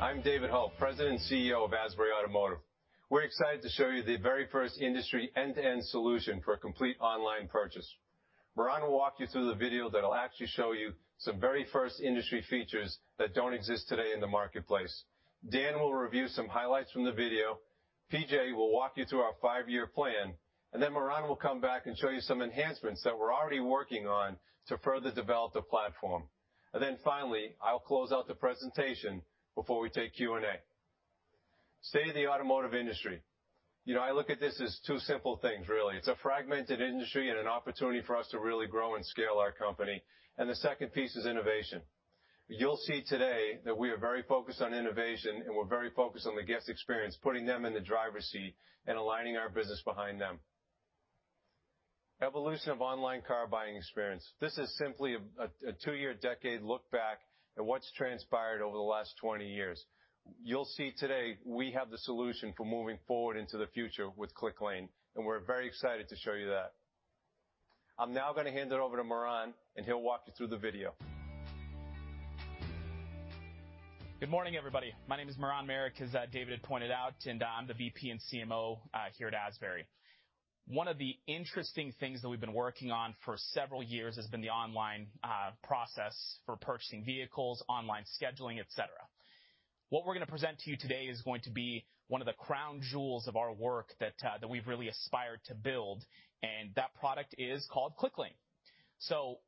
Morning. I'm David Hult, President and CEO of Asbury Automotive. We're excited to show you the very first industry end-to-end solution for a complete online purchase. Miran will walk you through the video that'll actually show you some very first industry features that don't exist today in the marketplace. Dan will review some highlights from the video. PJ will walk you through our five-year plan, and then Miran will come back and show you some enhancements that we're already working on to further develop the platform. Finally, I'll close out the presentation before we take Q&A. State of the automotive industry. I look at this as two simple things, really. It's a fragmented industry and an opportunity for us to really grow and scale our company. The second piece is innovation. You'll see today that we are very focused on innovation, and we're very focused on the guest experience, putting them in the driver's seat and aligning our business behind them. Evolution of online car-buying experience. This is simply a two-year decade look back at what's transpired over the last 20 years. You'll see today we have the solution for moving forward into the future with Clicklane, and we're very excited to show you that. I'm now going to hand it over to Miran, and he'll walk you through the video. Good morning, everybody. My name is Miran Maric, as David had pointed out. I'm the VP and CMO here at Asbury. One of the interesting things that we've been working on for several years has been the online process for purchasing vehicles, online scheduling, et cetera. What we're going to present to you today is going to be one of the crown jewels of our work that we've really aspired to build. That product is called Clicklane.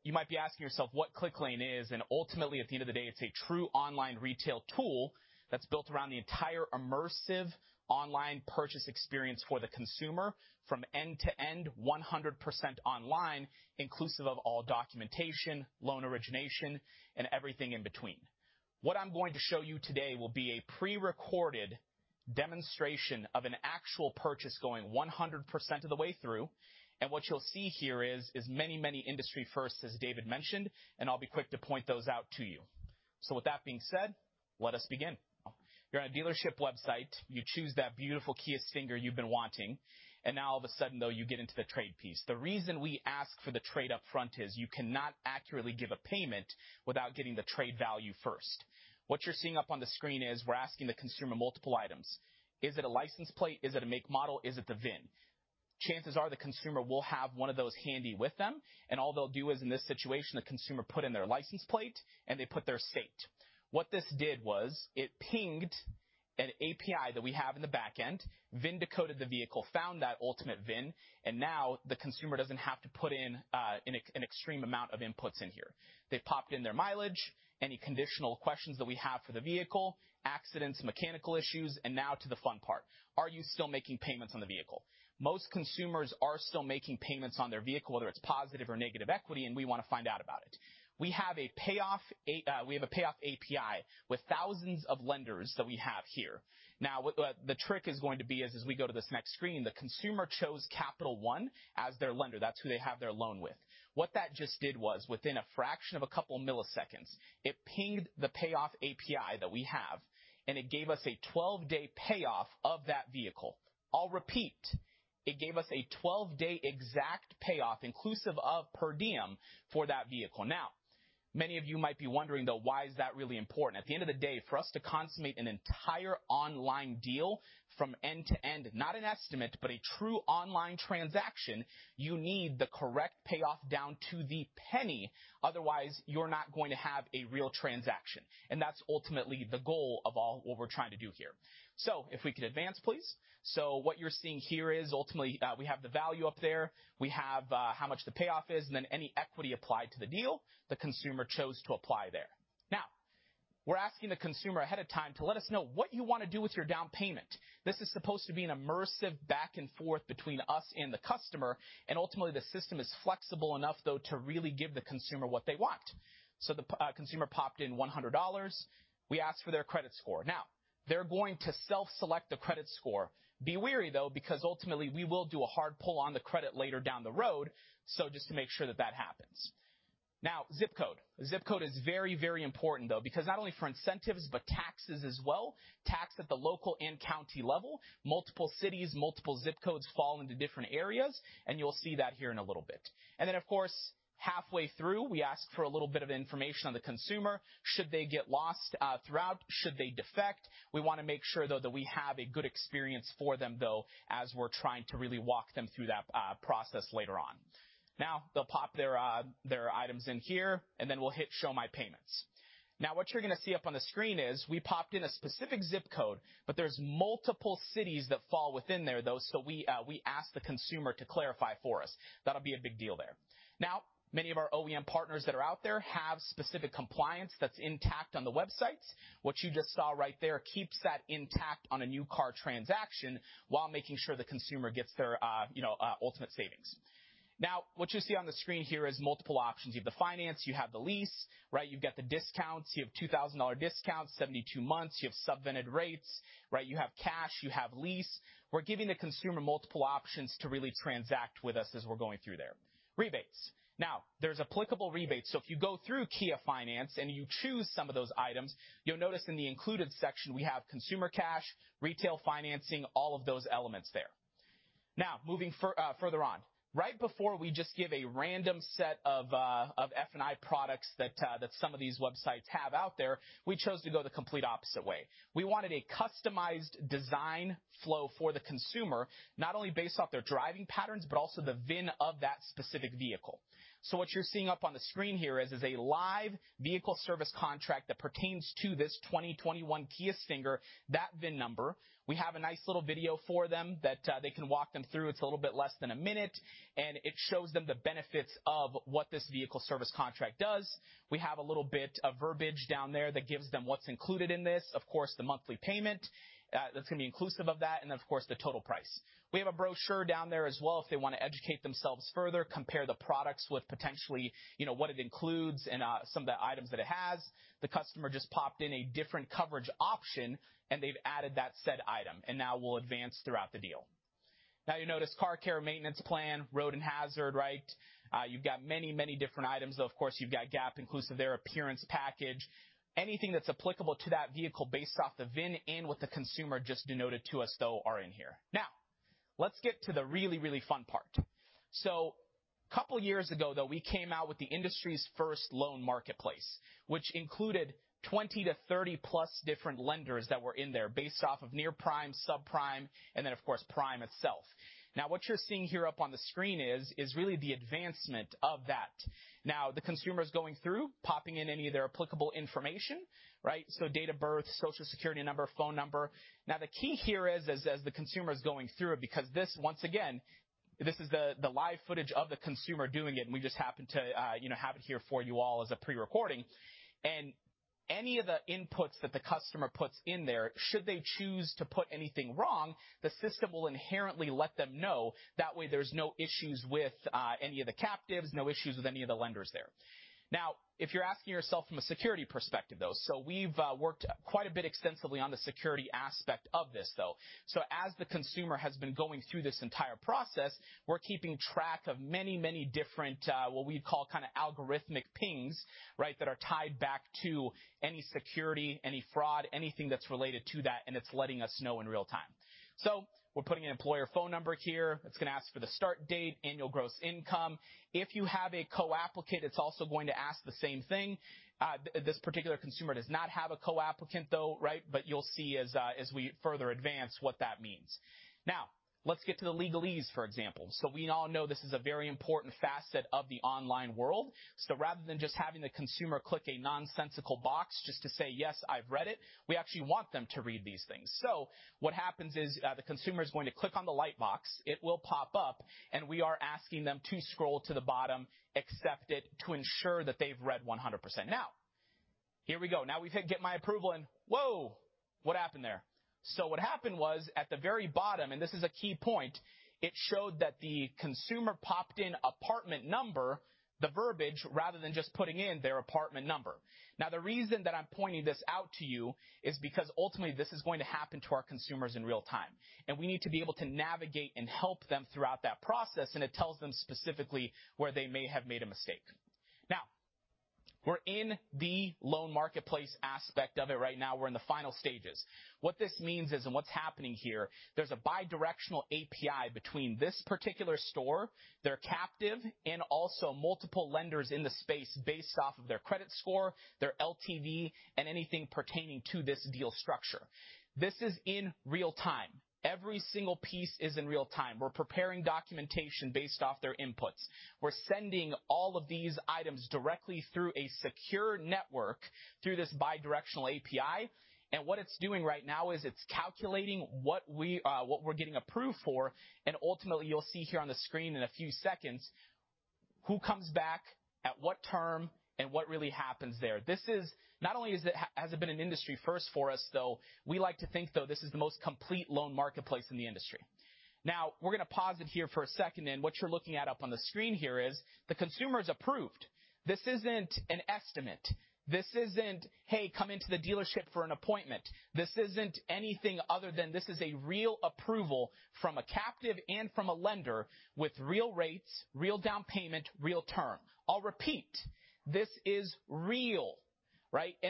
You might be asking yourself what Clicklane is. Ultimately, at the end of the day, it's a true online retail tool that's built around the entire immersive online purchase experience for the consumer from end to end, 100% online, inclusive of all documentation, loan origination, and everything in between. What I'm going to show you today will be a pre-recorded demonstration of an actual purchase going 100% of the way through. What you'll see here is many industry firsts, as David mentioned, and I'll be quick to point those out to you. With that being said, let us begin. You're on a dealership website. You choose that beautiful Kia Stinger you've been wanting. Now all of a sudden, though, you get into the trade piece. The reason we ask for the trade upfront is you cannot accurately give a payment without getting the trade value first. What you're seeing up on the screen is we're asking the consumer multiple items. Is it a license plate? Is it a make/model? Is it the VIN? Chances are the consumer will have one of those handy with them, and all they'll do is in this situation, the consumer put in their license plate, and they put their state. What this did was it pinged an API that we have in the back end, VIN decoded the vehicle, found that ultimate VIN, and now the consumer doesn't have to put in an extreme amount of inputs in here. They've popped in their mileage, any conditional questions that we have for the vehicle, accidents, mechanical issues, and now to the fun part: Are you still making payments on the vehicle? Most consumers are still making payments on their vehicle, whether it's positive or negative equity, and we want to find out about it. We have a payoff API with thousands of lenders that we have here. The trick is going to be is, as we go to this next screen, the consumer chose Capital One as their lender. That's who they have their loan with. What that just did was within a fraction of a couple milliseconds, it pinged the payoff API that we have, and it gave us a 12-day payoff of that vehicle. I'll repeat. It gave us a 12-day exact payoff, inclusive of per diem for that vehicle. Many of you might be wondering, though, why is that really important? At the end of the day, for us to consummate an entire online deal from end to end, not an estimate, but a true online transaction, you need the correct payoff down to the penny. Otherwise, you're not going to have a real transaction, and that's ultimately the goal of all what we're trying to do here. If we could advance, please. What you're seeing here is ultimately we have the value up there. We have how much the payoff is, then any equity applied to the deal, the consumer chose to apply there. Now, we're asking the consumer ahead of time to let us know what you want to do with your down payment. This is supposed to be an immersive back and forth between us and the customer, ultimately, the system is flexible enough, though, to really give the consumer what they want. The consumer popped in $100. We asked for their credit score. Now, they're going to self-select a credit score. Be wary, though, because ultimately, we will do a hard pull on the credit later down the road, just to make sure that that happens. Now, ZIP Code. ZIP code is very important, though, because not only for incentives but taxes as well, tax at the local and county level. Multiple cities, multiple ZIP codes fall into different areas, and you'll see that here in a little bit. Then, of course, halfway through, we ask for a little bit of information on the consumer should they get lost throughout, should they defect. We want to make sure, though, that we have a good experience for them, though, as we're trying to really walk them through that process later on. They'll pop their items in here, and then we'll hit Show My Payments. What you're going to see up on the screen is we popped in a specific ZIP code, but there's multiple cities that fall within there, though, so we ask the consumer to clarify for us. That'll be a big deal there. Many of our OEM partners that are out there have specific compliance that's intact on the websites. What you just saw right there keeps that intact on a new car transaction while making sure the consumer gets their ultimate savings. What you see on the screen here is multiple options. You have the finance, you have the lease, you've got the discounts, you have $2,000 discounts, 72 months. You have subvented rates. You have cash, you have lease. We're giving the consumer multiple options to really transact with us as we're going through there. Rebates. There's applicable rebates. If you go through Kia Finance and you choose some of those items, you'll notice in the included section, we have consumer cash, retail financing, all of those elements there. Moving further on. Right before we just give a random set of F&I products that some of these websites have out there, we chose to go the complete opposite way. We wanted a customized design flow for the consumer, not only based off their driving patterns, but also the VIN of that specific vehicle. What you're seeing up on the screen here is a live vehicle service contract that pertains to this 2021 Kia Stinger, that VIN number. We have a nice little video for them that they can walk them through. It's a little bit less than a minute, and it shows them the benefits of what this vehicle service contract does. We have a little bit of verbiage down there that gives them what's included in this, of course, the monthly payment, that's going to be inclusive of that, and then of course, the total price. We have a brochure down there as well if they want to educate themselves further, compare the products with potentially what it includes and some of the items that it has. The customer just popped in a different coverage option, they've added that said item, now we'll advance throughout the deal. You notice car care maintenance plan, road and hazard. You've got many different items, though. Of course, you've got gap inclusive there, appearance package. Anything that's applicable to that vehicle based off the VIN and what the consumer just denoted to us, though, are in here. Let's get to the really fun part. A couple of years ago, though, we came out with the industry's first loan marketplace, which included 20-30+ different lenders that were in there based off of near prime, subprime, then of course, prime itself. What you're seeing here up on the screen is really the advancement of that. The consumer is going through, popping in any of their applicable information. Date of birth, Social Security number, phone number. The key here is as the consumer is going through it, because this, once again, this is the live footage of the consumer doing it, and we just happen to have it here for you all as a pre-recording. Any of the inputs that the customer puts in there, should they choose to put anything wrong, the system will inherently let them know. That way, there's no issues with any of the captives, no issues with any of the lenders there. If you're asking yourself from a security perspective, though, we've worked quite a bit extensively on the security aspect of this, though. As the consumer has been going through this entire process, we're keeping track of many different, what we'd call algorithmic pings that are tied back to any security, any fraud, anything that's related to that, and it's letting us know in real-time. We're putting an employer phone number here. It's going to ask for the start date, annual gross income. If you have a co-applicant, it's also going to ask the same thing. This particular consumer does not have a co-applicant, though, but you'll see as we further advance what that means. Now, let's get to the legalese, for example. We all know this is a very important facet of the online world. Rather than just having the consumer click a nonsensical box just to say, "Yes, I've read it," we actually want them to read these things. What happens is the consumer is going to click on the lightbox, it will pop up, and we are asking them to scroll to the bottom, accept it to ensure that they've read 100%. Here we go. We've hit Get My Approval, and whoa, what happened there? What happened was at the very bottom, and this is a key point, it showed that the consumer popped in apartment number, the verbiage, rather than just putting in their apartment number. The reason that I'm pointing this out to you is because ultimately, this is going to happen to our consumers in real time. We need to be able to navigate and help them throughout that process, and it tells them specifically where they may have made a mistake. We're in the loan marketplace aspect of it right now. We're in the final stages. What this means is, and what's happening here, there's a bi-directional API between this particular store, their captive, and also multiple lenders in the space based off of their credit score, their LTV, and anything pertaining to this deal structure. This is in real time. Every single piece is in real time. We're preparing documentation based off their inputs. We're sending all of these items directly through a secure network through this bi-directional API. What it's doing right now is it's calculating what we're getting approved for, and ultimately, you'll see here on the screen in a few seconds who comes back, at what term, and what really happens there. Not only has it been an industry first for us, though, we like to think, though, this is the most complete loan marketplace in the industry. We're going to pause it here for a second, and what you're looking at up on the screen here is the consumer's approved. This isn't an estimate. This isn't, "Hey, come into the dealership for an appointment." This isn't anything other than this is a real approval from a captive and from a lender with real rates, real down payment, real term. I'll repeat, this is real.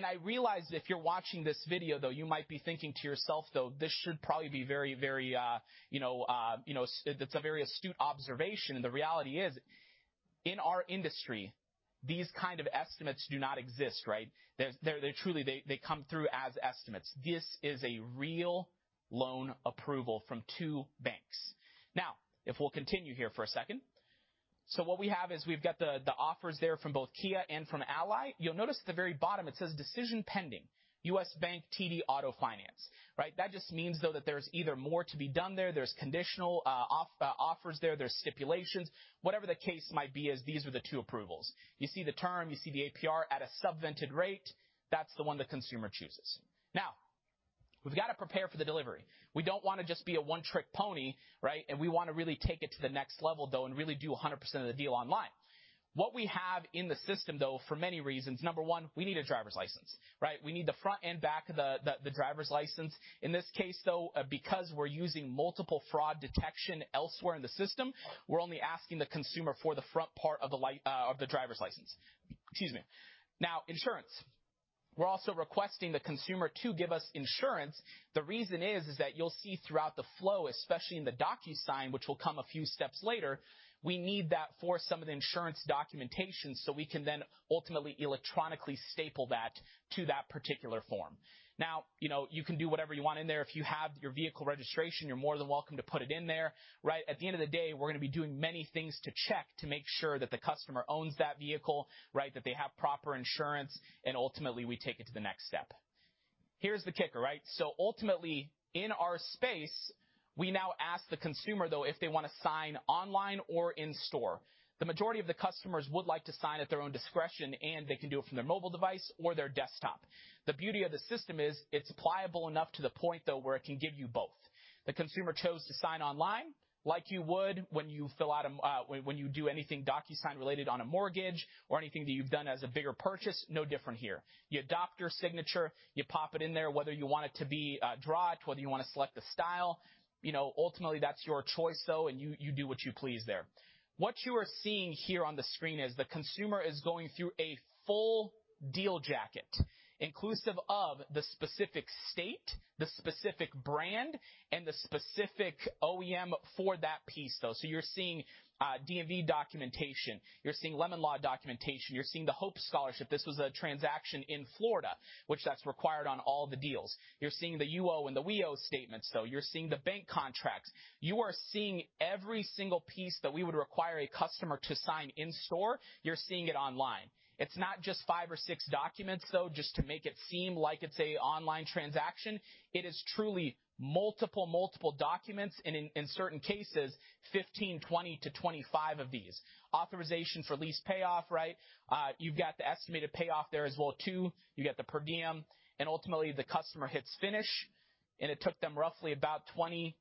I realize if you're watching this video, though, you might be thinking to yourself, though, it's a very astute observation, and the reality is, in our industry, these kind of estimates do not exist. They truly come through as estimates. This is a real loan approval from two banks. If we'll continue here for a second. What we have is we've got the offers there from both Kia and from Ally. You'll notice at the very bottom, it says decision pending, U.S. Bank, TD Auto Finance. That just means, though, that there's either more to be done there's conditional offers there's stipulations. Whatever the case might be is these are the two approvals. You see the term, you see the APR at a subvented rate. That's the one the consumer chooses. Now, we've got to prepare for the delivery. We don't want to just be a one-trick pony, and we want to really take it to the next level, though, and really do 100% of the deal online. What we have in the system, though, for many reasons, number one, we need a driver's license. We need the front and back of the driver's license. In this case, because we're using multiple fraud detection elsewhere in the system, we're only asking the consumer for the front part of the driver's license. Excuse me. Insurance. We're also requesting the consumer to give us insurance. The reason is that you'll see throughout the flow, especially in the DocuSign, which will come a few steps later, we need that for some of the insurance documentation so we can then ultimately electronically staple that to that particular form. You can do whatever you want in there. If you have your vehicle registration, you're more than welcome to put it in there. At the end of the day, we're going to be doing many things to check to make sure that the customer owns that vehicle, that they have proper insurance, and ultimately, we take it to the next step. Here's the kicker. Ultimately, in our space, we now ask the consumer, though, if they want to sign online or in-store. The majority of the customers would like to sign at their own discretion, and they can do it from their mobile device or their desktop. The beauty of the system is it's pliable enough to the point, though, where it can give you both. The consumer chose to sign online like you would when you do anything DocuSign related on a mortgage or anything that you've done as a bigger purchase, no different here. You adopt your signature, you pop it in there, whether you want it to be drawn, whether you want to select the style. Ultimately, that's your choice, though, and you do what you please there. What you are seeing here on the screen is the consumer is going through a full deal jacket, inclusive of the specific state, the specific brand, and the specific OEM for that piece, though. You're seeing DMV documentation, you're seeing lemon law documentation, you're seeing the Hope Scholarship. This was a transaction in Florida, which that's required on all the deals. You're seeing the You Owe and the We Owe statements, though. You're seeing the bank contracts. You are seeing every single piece that we would require a customer to sign in-store, you're seeing it online. It's not just five or six documents, though, just to make it seem like it's an online transaction. It is truly multiple documents, and in certain cases, 15, 20-25 of these. Authorization for lease payoff. You've got the estimated payoff there as well, too. You've got the per diem, and ultimately, the customer hits finish, and it took them roughly about 20-30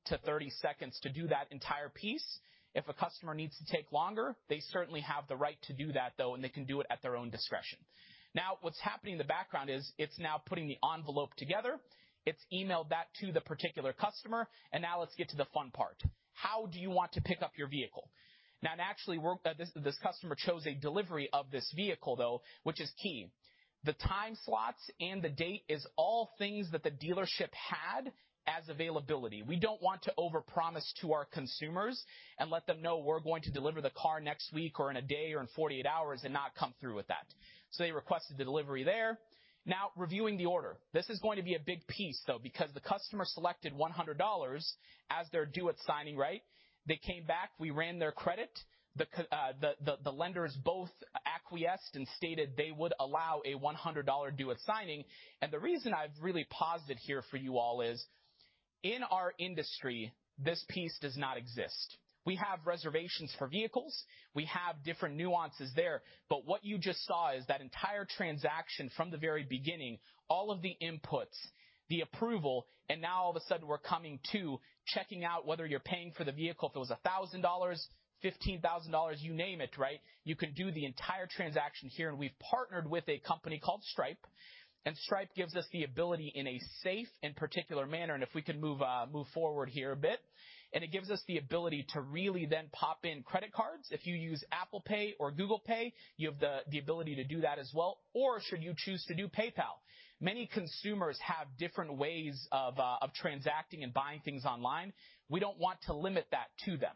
seconds to do that entire piece. If a customer needs to take longer, they certainly have the right to do that, though, and they can do it at their own discretion. Now, what's happening in the background is it's now putting the envelope together. It's emailed that to the particular customer. Now let's get to the fun part. How do you want to pick up your vehicle? Actually, this customer chose a delivery of this vehicle, though, which is key. The time slots and the date is all things that the dealership had as availability. We don't want to overpromise to our consumers and let them know we're going to deliver the car next week or in a day or in 48 hours and not come through with that. They requested the delivery there. Now, reviewing the order. This is going to be a big piece, though, because the customer selected $100 as their due at signing. They came back, we ran their credit. The lenders both acquiesced and stated they would allow a $100 due at signing, and the reason I've really paused it here for you all is in our industry, this piece does not exist. We have reservations for vehicles. We have different nuances there, but what you just saw is that entire transaction from the very beginning, all of the inputs, the approval, and now all of a sudden, we're coming to checking out whether you're paying for the vehicle. If it was $1,000, $15,000, you name it. You can do the entire transaction here. We've partnered with a company called Stripe. Stripe gives us the ability in a safe and particular manner. If we can move forward here a bit, it gives us the ability to really then pop in credit cards. If you use Apple Pay or Google Pay, you have the ability to do that as well, or should you choose to do PayPal. Many consumers have different ways of transacting and buying things online. We don't want to limit that to them.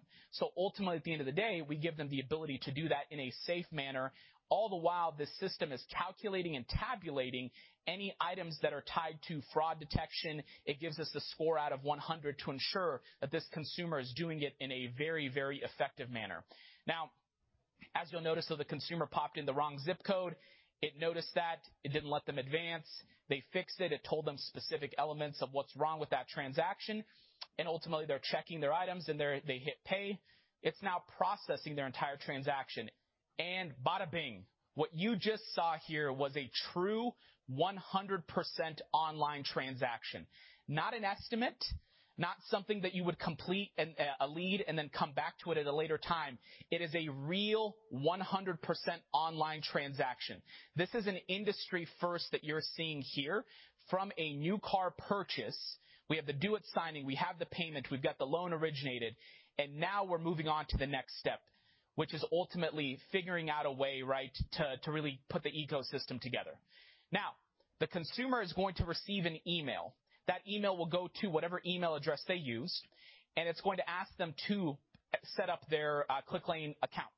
Ultimately, at the end of the day, we give them the ability to do that in a safe manner, all the while the system is calculating and tabulating any items that are tied to fraud detection. It gives us a score out of 100 to ensure that this consumer is doing it in a very effective manner. As you'll notice, though, the consumer popped in the wrong ZIP code. It noticed that. It didn't let them advance. They fixed it. It told them specific elements of what's wrong with that transaction, and ultimately, they're checking their items, and they hit pay. It's now processing their entire transaction. Bada bing, what you just saw here was a true 100% online transaction. Not an estimate, not something that you would complete a lead and then come back to it at a later time. It is a real 100% online transaction. This is an industry first that you're seeing here. From a new car purchase, we have the due at signing, we have the payment, we've got the loan originated, and now we're moving on to the next step, which is ultimately figuring out a way to really put the ecosystem together. The consumer is going to receive an email. That email will go to whatever email address they used, and it's going to ask them to set up their Clicklane account.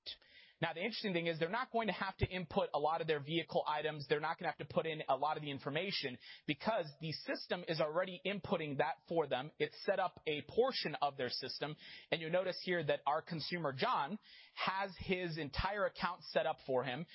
The interesting thing is they're not going to have to input a lot of their vehicle items. They're not going to have to put in a lot of the information because the system is already inputting that for them. It set up a portion of their system, and you'll notice here that our consumer, John, has his entire account set up for him.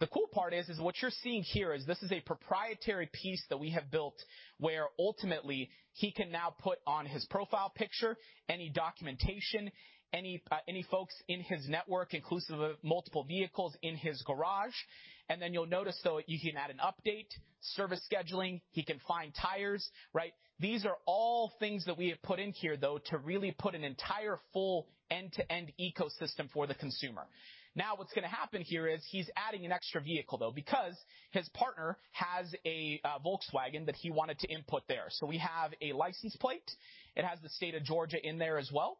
The cool part is what you're seeing here is this is a proprietary piece that we have built where ultimately he can now put on his profile picture any documentation, any folks in his network, inclusive of multiple vehicles in his garage. Then you'll notice, though, you can add an update, service scheduling, he can find tires, right? These are all things that we have put in here, though, to really put an entire full end-to-end ecosystem for the consumer. What's going to happen here is he's adding an extra vehicle, though, because his partner has a Volkswagen that he wanted to input there. We have a license plate. It has the state of Georgia in there as well.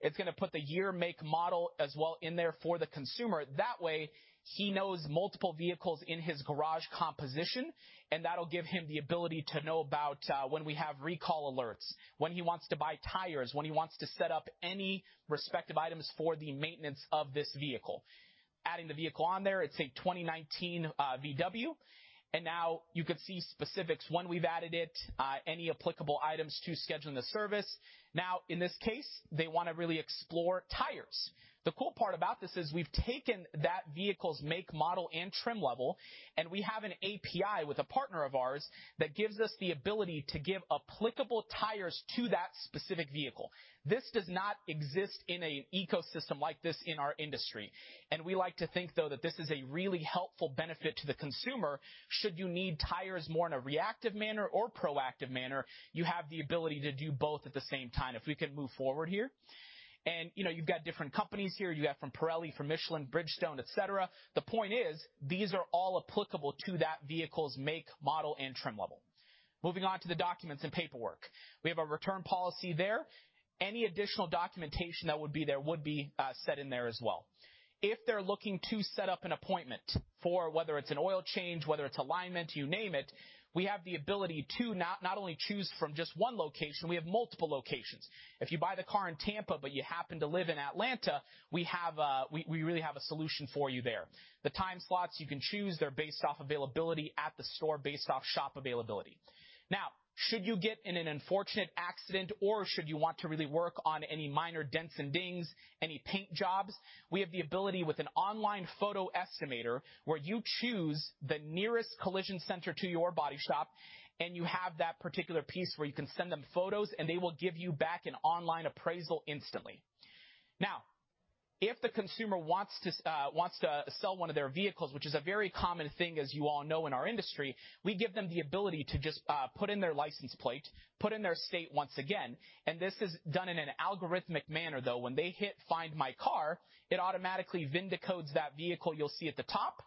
It's going to put the year, make, model as well in there for the consumer. That way, he knows multiple vehicles in his garage composition, and that'll give him the ability to know about when we have recall alerts, when he wants to buy tires, when he wants to set up any respective items for the maintenance of this vehicle. Adding the vehicle on there, it's a 2019 VW, and now you could see specifics, when we've added it, any applicable items to scheduling the service. In this case, they want to really explore tires. The cool part about this is we've taken that vehicle's make, model, and trim level, and we have an API with a partner of ours that gives us the ability to give applicable tires to that specific vehicle. This does not exist in an ecosystem like this in our industry. We like to think, though, that this is a really helpful benefit to the consumer. Should you need tires more in a reactive manner or proactive manner, you have the ability to do both at the same time. If we could move forward here. You've got different companies here. You have from Pirelli, from Michelin, Bridgestone, et cetera. The point is, these are all applicable to that vehicle's make, model, and trim level. Moving on to the documents and paperwork. We have a return policy there. Any additional documentation that would be there would be set in there as well. If they're looking to set up an appointment for whether it's an oil change, whether it's alignment, you name it, we have the ability to not only choose from just one location, we have multiple locations. If you buy the car in Tampa, but you happen to live in Atlanta, we really have a solution for you there. The time slots you can choose, they're based off availability at the store, based off shop availability. Now, should you get in an unfortunate accident or should you want to really work on any minor dents and dings, any paint jobs, we have the ability with an online photo estimator where you choose the nearest collision center to your body shop, and you have that particular piece where you can send them photos, and they will give you back an online appraisal instantly. Now, if the consumer wants to sell one of their vehicles, which is a very common thing, as you all know in our industry, we give them the ability to just put in their license plate, put in their state once again. This is done in an algorithmic manner, though. When they hit Find My Car, it automatically VIN decodes that vehicle you'll see at the top.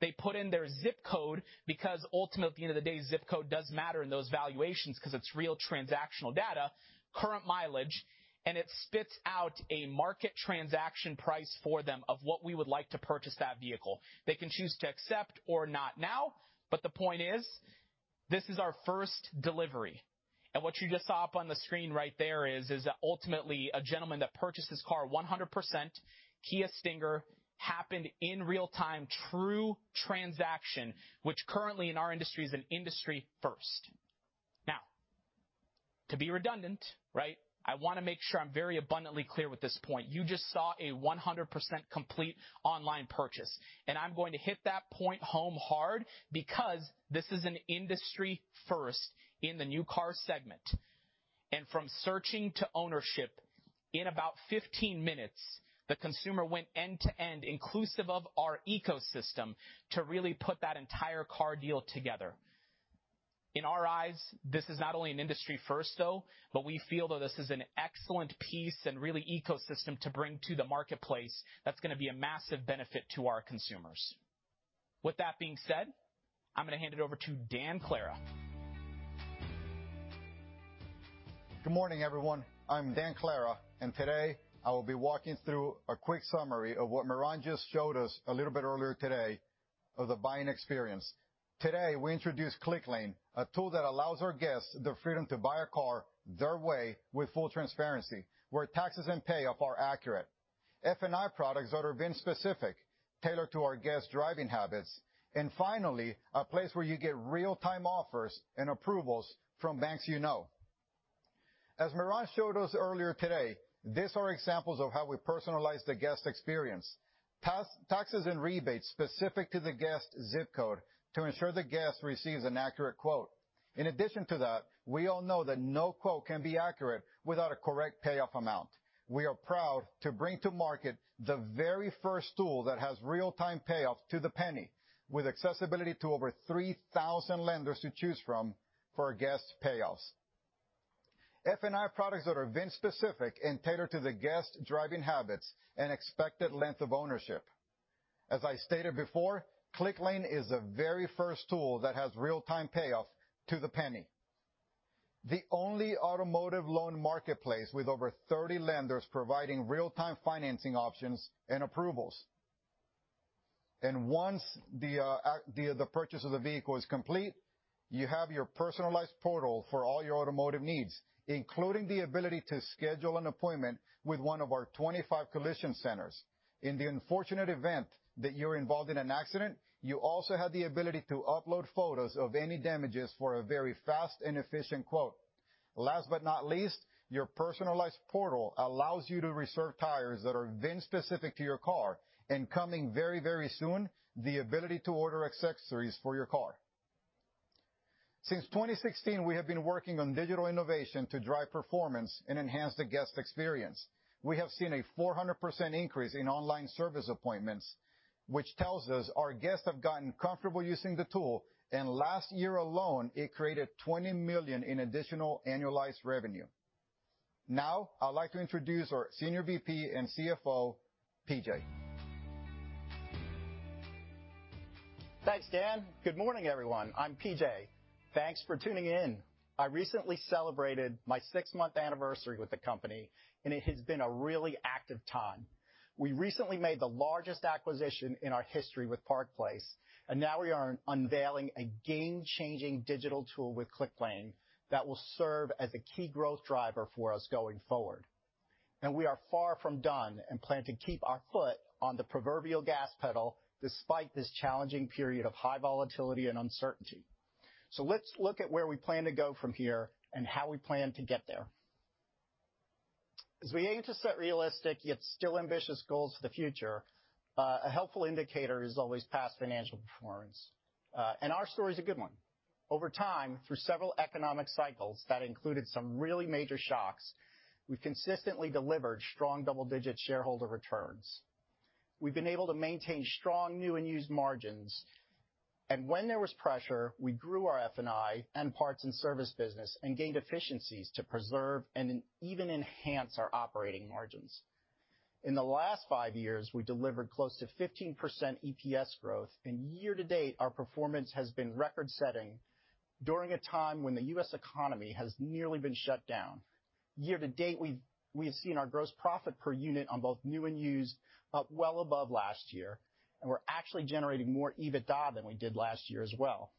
They put in their ZIP code because ultimately, at the end of the day, ZIP code does matter in those valuations because it's real transactional data, current mileage, and it spits out a market transaction price for them of what we would like to purchase that vehicle. The point is, this is our first delivery. What you just saw up on the screen right there is that ultimately a gentleman that purchased this car 100%, Kia Stinger, happened in real-time true transaction, which currently in our industry is an industry first. To be redundant, right? I want to make sure I'm very abundantly clear with this point. You just saw a 100% complete online purchase. I'm going to hit that point home hard because this is an industry first in the new car segment. From searching to ownership in about 15 minutes, the consumer went end to end inclusive of our ecosystem to really put that entire car deal together. In our eyes, this is not only an industry first, though, but we feel though this is an excellent piece and really ecosystem to bring to the marketplace that's going to be a massive benefit to our consumers. With that being said, I'm going to hand it over to Dan Clara. Good morning, everyone. I'm Dan Clara, and today I will be walking through a quick summary of what Miran just showed us a little bit earlier today of the buying experience. Today, we introduced Clicklane, a tool that allows our guests the freedom to buy a car their way with full transparency, where taxes and payoff are accurate. F&I products that are VIN-specific, tailored to our guests' driving habits. Finally, a place where you get real-time offers and approvals from banks you know. As Miran showed us earlier today, these are examples of how we personalize the guest experience. Taxes and rebates specific to the guest's ZIP code to ensure the guest receives an accurate quote. In addition to that, we all know that no quote can be accurate without a correct payoff amount. We are proud to bring to market the very first tool that has real-time payoffs to the penny, with accessibility to over 3,000 lenders to choose from for our guests' payoffs. F&I products that are VIN-specific and tailored to the guest's driving habits and expected length of ownership. As I stated before, Clicklane is the very first tool that has real-time payoff to the penny. The only automotive loan marketplace with over 30 lenders providing real-time financing options and approvals. Once the purchase of the vehicle is complete, you have your personalized portal for all your automotive needs, including the ability to schedule an appointment with one of our 25 collision centers. In the unfortunate event that you're involved in an accident, you also have the ability to upload photos of any damages for a very fast and efficient quote. Last but not least, your personalized portal allows you to reserve tires that are VIN-specific to your car, and coming very, very soon, the ability to order accessories for your car. Since 2016, we have been working on digital innovation to drive performance and enhance the guest experience. We have seen a 400% increase in online service appointments, which tells us our guests have gotten comfortable using the tool. Last year alone, it created $20 million in additional annualized revenue. I'd like to introduce our Senior VP and CFO, PJ. Thanks, Dan. Good morning, everyone. I'm PJ. Thanks for tuning in. I recently celebrated my six-month anniversary with the company, and it has been a really active time. We recently made the largest acquisition in our history with Park Place, and now we are unveiling a game-changing digital tool with Clicklane that will serve as a key growth driver for us going forward. We are far from done and plan to keep our foot on the proverbial gas pedal despite this challenging period of high volatility and uncertainty. Let's look at where we plan to go from here and how we plan to get there. As we aim to set realistic, yet still ambitious goals for the future, a helpful indicator is always past financial performance. Our story is a good one. Over time, through several economic cycles that included some really major shocks, we've consistently delivered strong double-digit shareholder returns. We've been able to maintain strong new and used margins. When there was pressure, we grew our F&I and parts and service business and gained efficiencies to preserve and even enhance our operating margins. In the last five years, we delivered close to 15% EPS growth, and year-to-date, our performance has been record-setting during a time when the U.S. economy has nearly been shut down. Year-to-date, we've seen our gross profit per unit on both new and used up well above last year, and we're actually generating more EBITDA than we did last year as well.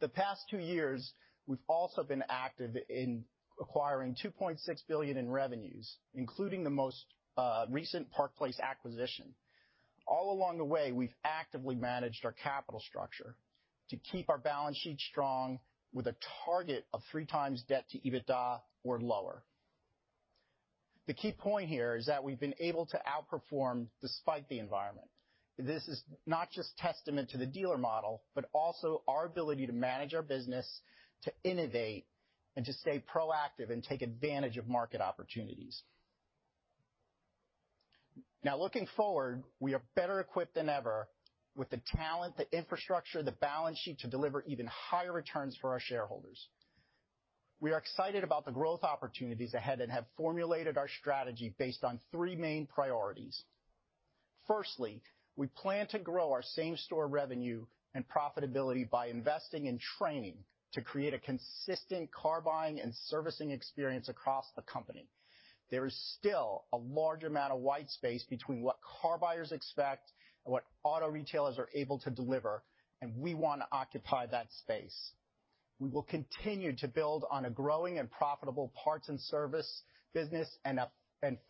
The past two years, we've also been active in acquiring $2.6 billion in revenues, including the most recent Park Place acquisition. All along the way, we've actively managed our capital structure to keep our balance sheet strong with a target of three times debt-to-EBITDA or lower. The key point here is that we've been able to outperform despite the environment. This is not just testament to the dealer model, but also our ability to manage our business, to innovate, and to stay proactive and take advantage of market opportunities. Now, looking forward, we are better equipped than ever with the talent, the infrastructure, the balance sheet to deliver even higher returns for our shareholders. We are excited about the growth opportunities ahead and have formulated our strategy based on three main priorities. Firstly, we plan to grow our same-store revenue and profitability by investing in training to create a consistent car buying and servicing experience across the company. There is still a large amount of white space between what car buyers expect and what auto retailers are able to deliver. We want to occupy that space. We will continue to build on a growing and profitable parts and service business and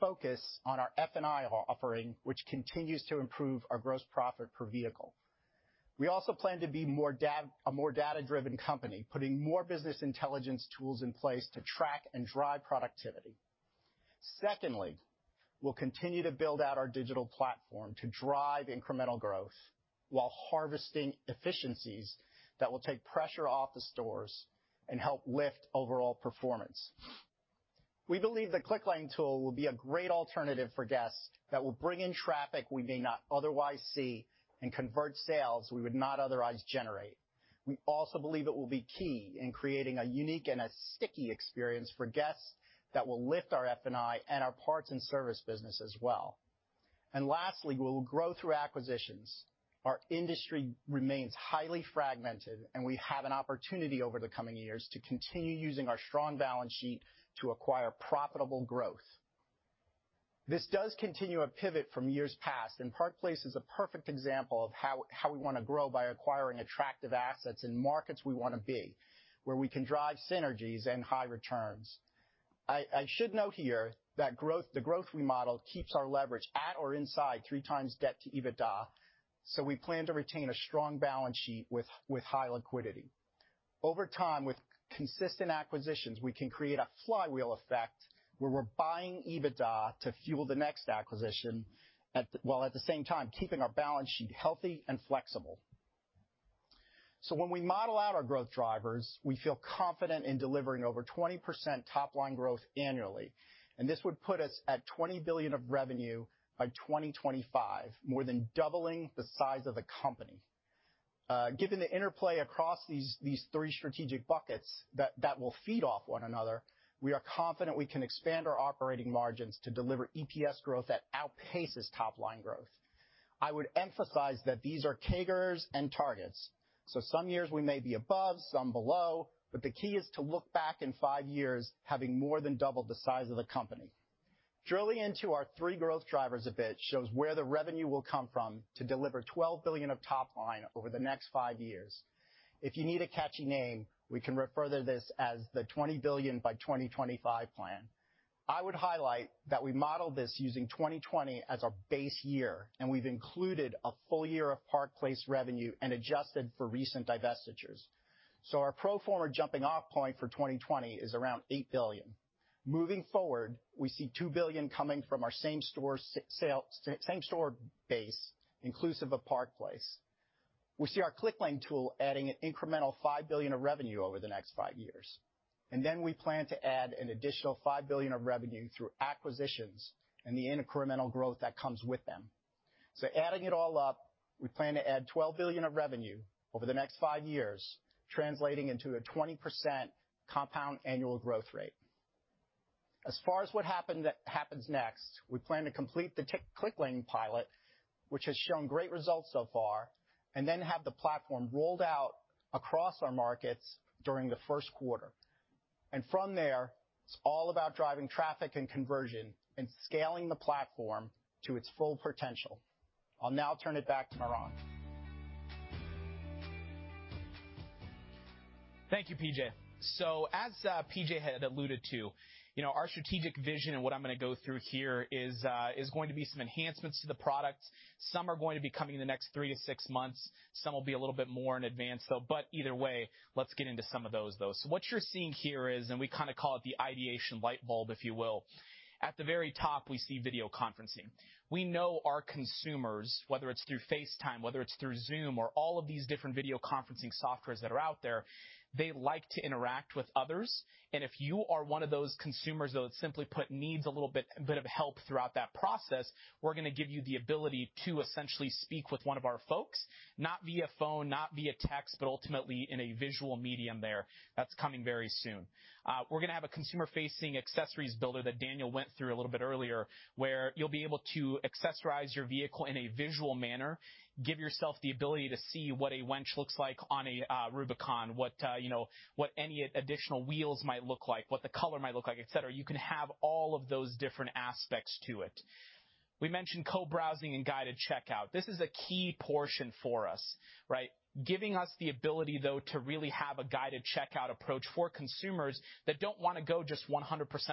focus on our F&I offering, which continues to improve our gross profit per vehicle. We also plan to be a more data-driven company, putting more business intelligence tools in place to track and drive productivity. Secondly, we'll continue to build out our digital platform to drive incremental growth while harvesting efficiencies that will take pressure off the stores and help lift overall performance. We believe the Clicklane tool will be a great alternative for guests that will bring in traffic we may not otherwise see and convert sales we would not otherwise generate. We also believe it will be key in creating a unique and a sticky experience for guests that will lift our F&I and our parts and service business as well. Lastly, we will grow through acquisitions. Our industry remains highly fragmented, and we have an opportunity over the coming years to continue using our strong balance sheet to acquire profitable growth. This does continue a pivot from years past, and Park Place is a perfect example of how we want to grow by acquiring attractive assets in markets we want to be, where we can drive synergies and high returns. I should note here that the growth remodel keeps our leverage at or inside 3x debt-to-EBITDA. We plan to retain a strong balance sheet with high liquidity. Over time, with consistent acquisitions, we can create a flywheel effect where we're buying EBITDA to fuel the next acquisition, while at the same time, keeping our balance sheet healthy and flexible. When we model out our growth drivers, we feel confident in delivering over 20% top-line growth annually. This would put us at $20 billion of revenue by 2025, more than doubling the size of the company. Given the interplay across these three strategic buckets that will feed off one another, we are confident we can expand our operating margins to deliver EPS growth that outpaces top-line growth. I would emphasize that these are CAGRs and targets. Some years we may be above, some below, but the key is to look back in five years having more than doubled the size of the company. Drilling into our three growth drivers a bit shows where the revenue will come from to deliver $12 billion of top-line over the next five years. If you need a catchy name, we can refer to this as the $20 billion by 2025 plan. I would highlight that we modeled this using 2020 as our base year, and we've included a full year of Park Place revenue and adjusted for recent divestitures. Our pro forma jumping-off point for 2020 is around $8 billion. Moving forward, we see $2 billion coming from our same store base, inclusive of Park Place. We see our Clicklane tool adding an incremental $5 billion of revenue over the next five years, and then we plan to add an additional $5 billion of revenue through acquisitions and the incremental growth that comes with them. Adding it all up, we plan to add $12 billion of revenue over the next five years, translating into a 20% compound annual growth rate. As far as what happens next, we plan to complete the Clicklane pilot, which has shown great results so far, and then have the platform rolled out across our markets during the first quarter. From there, it's all about driving traffic and conversion and scaling the platform to its full potential. I'll now turn it back to Miran. Thank you, PJ. As PJ had alluded to, our strategic vision and what I'm going to go through here is going to be some enhancements to the product. Some are going to be coming in the next three to six months. Some will be a little bit more in advance, though. Either way, let's get into some of those, though. What you're seeing here is, and we kind of call it the ideation light bulb, if you will. At the very top, we see video conferencing. We know our consumers, whether it's through FaceTime, whether it's through Zoom or all of these different video conferencing softwares that are out there, they like to interact with others. If you are one of those consumers, though, that simply put, needs a little bit of help throughout that process, we're going to give you the ability to essentially speak with one of our folks, not via phone, not via text, but ultimately in a visual medium there. That's coming very soon. We're going to have a consumer-facing accessories builder that Daniel went through a little bit earlier, where you'll be able to accessorize your vehicle in a visual manner, give yourself the ability to see what a winch looks like on a Rubicon, what any additional wheels might look like, what the color might look like, et cetera. You can have all of those different aspects to it. We mentioned co-browsing and guided checkout. This is a key portion for us, right? Giving us the ability, though, to really have a guided checkout approach for consumers that don't want to go just 100%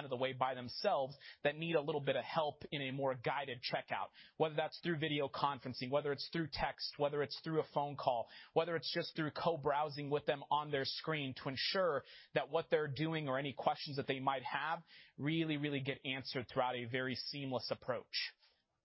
of the way by themselves, that need a little bit of help in a more guided checkout, whether that's through video conferencing, whether it's through text, whether it's through a phone call, whether it's just through co-browsing with them on their screen to ensure that what they're doing or any questions that they might have really get answered throughout a very seamless approach.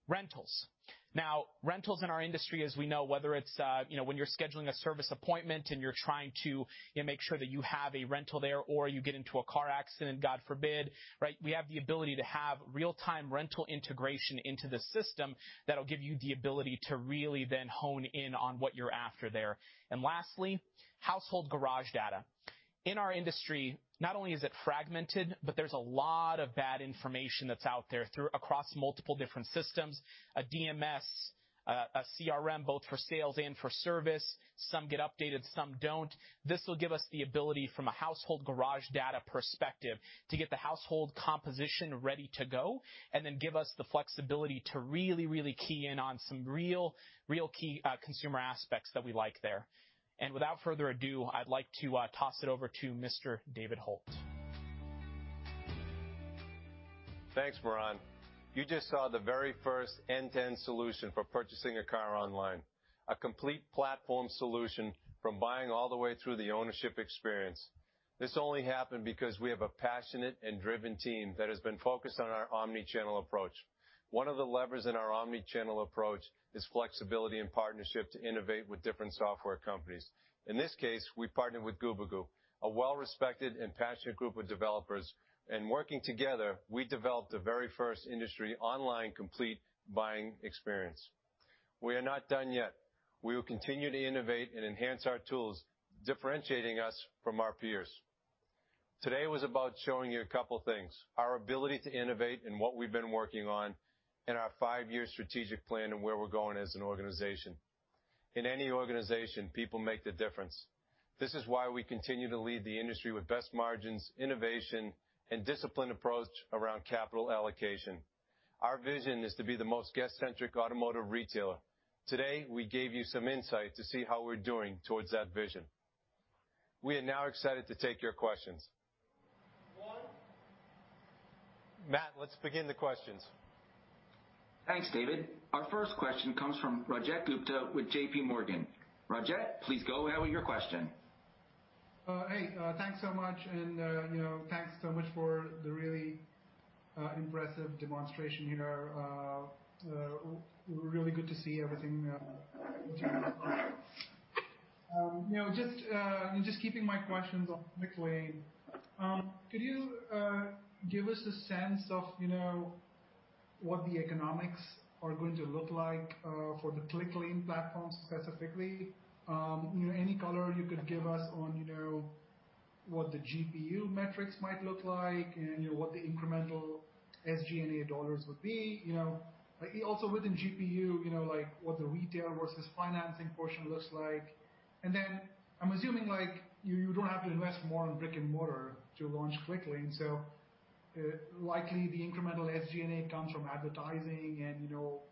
Rentals. Now, rentals in our industry, as we know, whether it's when you're scheduling a service appointment and you're trying to make sure that you have a rental there, or you get into a car accident, God forbid, right? We have the ability to have real-time rental integration into the system that'll give you the ability to really then hone in on what you're after there. Lastly, household garage data. In our industry, not only is it fragmented, but there's a lot of bad information that's out there across multiple different systems, a DMS, a CRM, both for sales and for service. Some get updated, some don't. This will give us the ability from a household garage data perspective to get the household composition ready to go and then give us the flexibility to really key in on some real key consumer aspects that we like there. Without further ado, I'd like to toss it over to Mr. David Hult. Thanks, Miran. You just saw the very first end-to-end solution for purchasing a car online, a complete platform solution from buying all the way through the ownership experience. This only happened because we have a passionate and driven team that has been focused on our omni-channel approach. One of the levers in our omni-channel approach is flexibility and partnership to innovate with different software companies. In this case, we partnered with Gubagoo, a well-respected and passionate group of developers, and working together, we developed the very first industry online complete buying experience. We are not done yet. We will continue to innovate and enhance our tools, differentiating us from our peers. Today was about showing you a couple things, our ability to innovate and what we've been working on and our five-year strategic plan and where we're going as an organization. In any organization, people make the difference. This is why we continue to lead the industry with best margins, innovation, and disciplined approach around capital allocation. Our vision is to be the most guest-centric automotive retailer. Today, we gave you some insight to see how we're doing towards that vision. We are now excited to take your questions. Matt, let's begin the questions. Thanks, David. Our first question comes from Rajat Gupta with JPMorgan. Rajat, please go ahead with your question. Hey, thanks so much, and thanks so much for the really impressive demonstration here. Really good to see everything. Just keeping my questions on Clicklane, could you give us a sense of what the economics are going to look like for the Clicklane platform specifically? Any color you could give us on what the GPU metrics might look like and what the incremental SG&A dollars would be. Also within GPU, what the retail versus financing portion looks like. Then I'm assuming you don't have to invest more in brick-and-mortar to launch Clicklane, so likely the incremental SG&A comes from advertising and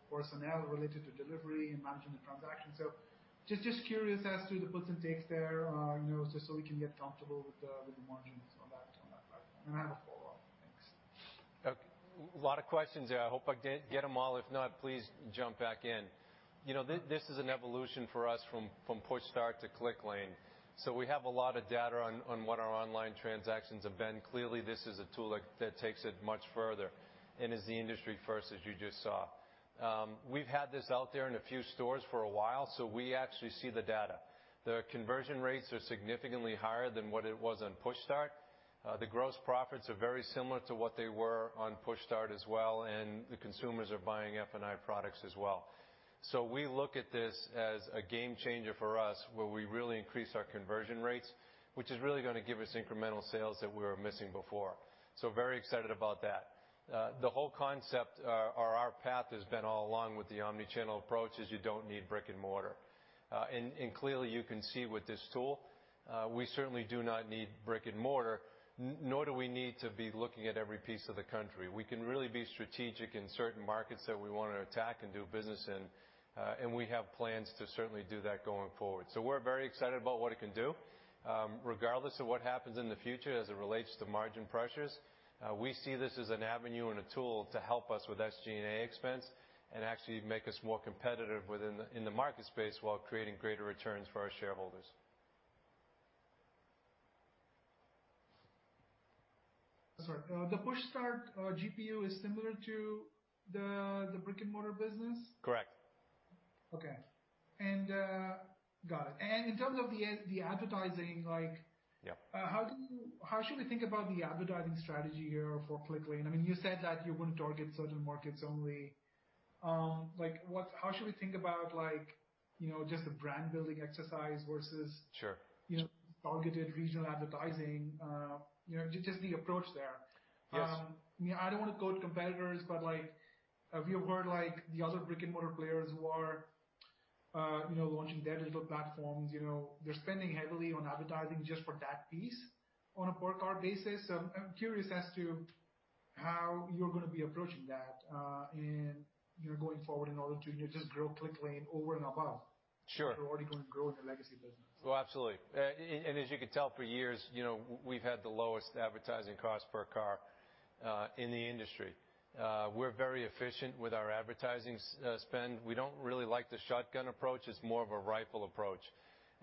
personnel related to delivery and managing the transaction. Just curious as to the puts and takes there just so we can get comfortable with the margins on that platform. I have a follow-up. A lot of questions there. I hope I get them all. If not, please jump back in. This is an evolution for us from PushStart to Clicklane. We have a lot of data on what our online transactions have been. Clearly, this is a tool that takes it much further and is the industry first, as you just saw. We've had this out there in a few stores for a while, so we actually see the data. The conversion rates are significantly higher than what it was on PushStart. The gross profits are very similar to what they were on PushStart as well, and the consumers are buying F&I products as well. We look at this as a game changer for us, where we really increase our conversion rates, which is really going to give us incremental sales that we were missing before. Very excited about that. The whole concept or our path has been all along with the omni-channel approach is you don't need brick-and-mortar. Clearly, you can see with this tool we certainly do not need brick-and-mortar, nor do we need to be looking at every piece of the country. We can really be strategic in certain markets that we want to attack and do business in. We have plans to certainly do that going forward. We're very excited about what it can do. Regardless of what happens in the future as it relates to margin pressures, we see this as an avenue and a tool to help us with SG&A expense and actually make us more competitive in the market space while creating greater returns for our shareholders. Sorry. The PushStart GPU is similar to the brick-and-mortar business? Correct. Okay. Got it. In terms of the advertising- Yeah. How should we think about the advertising strategy here for Clicklane? You said that you wouldn't target certain markets only. How should we think about just the brand-building exercise versus- Sure. targeted regional advertising, just the approach there. Yes. I don't want to go to competitors, if you heard the other brick-and-mortar players who are launching their little platforms. They're spending heavily on advertising just for that piece on a per car basis. I'm curious as to how you're going to be approaching that and going forward in order to just grow Clicklane. Sure. how you're already going to grow the legacy business. Well, absolutely. As you could tell, for years we've had the lowest advertising cost per car in the industry. We're very efficient with our advertising spend. We don't really like the shotgun approach. It's more of a rifle approach.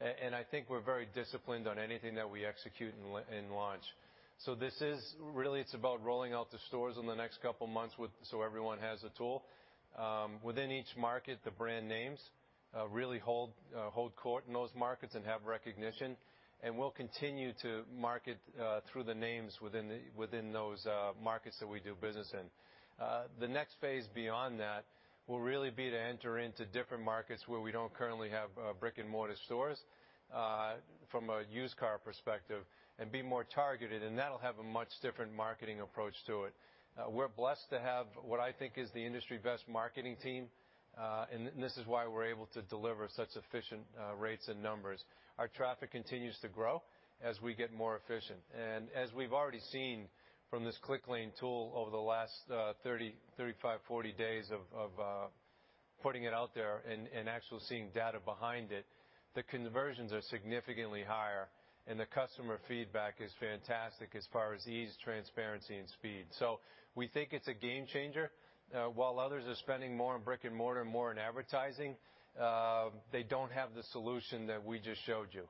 I think we're very disciplined on anything that we execute and launch. This is really it's about rolling out the stores in the next couple of months so everyone has a tool. Within each market, the brand names really hold court in those markets and have recognition, and we'll continue to market through the names within those markets that we do business in. The next phase beyond that will really be to enter into different markets where we don't currently have brick-and-mortar stores from a used car perspective and be more targeted, and that'll have a much different marketing approach to it. We're blessed to have what I think is the industry best marketing team. This is why we're able to deliver such efficient rates and numbers. Our traffic continues to grow as we get more efficient. As we've already seen from this Clicklane tool over the last 35, 40 days of putting it out there and actually seeing data behind it, the conversions are significantly higher, and the customer feedback is fantastic as far as ease, transparency, and speed. We think it's a game changer. While others are spending more on brick-and-mortar and more on advertising, they don't have the solution that we just showed you.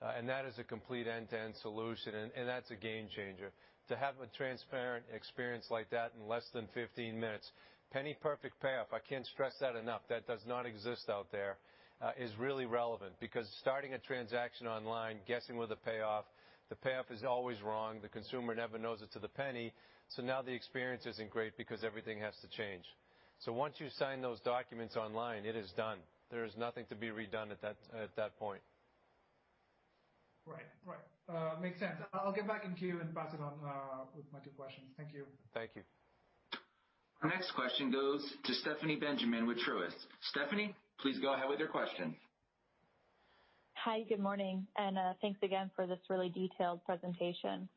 That is a complete end-to-end solution, and that's a game changer. To have a transparent experience like that in less than 15 minutes, penny perfect payoff, I can't stress that enough, that does not exist out there, is really relevant because starting a transaction online, guessing with a payoff, the payoff is always wrong. The consumer never knows it to the penny. Now the experience isn't great because everything has to change. Once you sign those documents online, it is done. There is nothing to be redone at that point. Right. Makes sense. I'll get back in queue and pass it on with my two questions. Thank you. Thank you. Our next question goes to Stephanie Benjamin with Truist. Stephanie, please go ahead with your question. Hi, good morning, and thanks again for this really detailed presentation.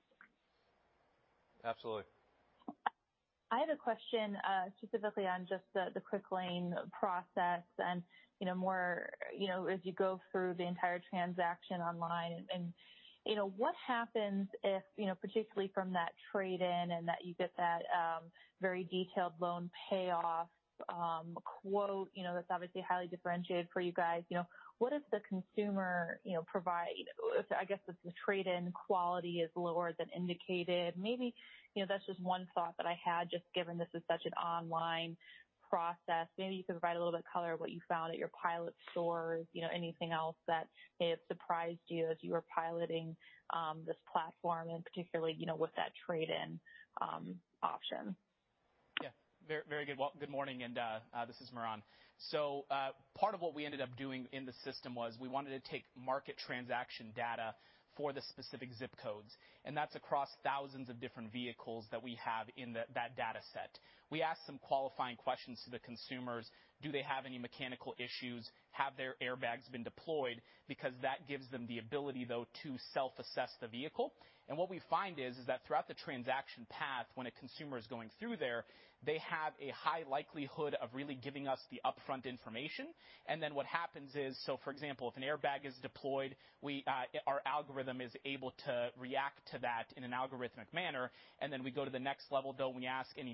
Absolutely. I had a question specifically on just the Clicklane process and as you go through the entire transaction online and what happens if, particularly from that trade-in and that you get that very detailed loan payoff quote that's obviously highly differentiated for you guys? What if the consumer provides, I guess, if the trade-in quality is lower than indicated? Maybe that's just one thought that I had, just given this is such an online process. Maybe you could provide a little bit color of what you found at your pilot stores, anything else that may have surprised you as you were piloting this platform, and particularly, with that trade-in option. Good morning, this is Miran. Part of what we ended up doing in the system was we wanted to take market transaction data for the specific ZIP codes, and that's across thousands of different vehicles that we have in that data set. We asked some qualifying questions to the consumers. Do they have any mechanical issues? Have their airbags been deployed? That gives them the ability, though, to self-assess the vehicle. What we find is that throughout the transaction path, when a consumer is going through there, they have a high likelihood of really giving us the upfront information. What happens is, for example, if an airbag is deployed, our algorithm is able to react to that in an algorithmic manner. We go to the next level, though, when you ask any